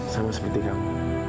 sama seperti kamu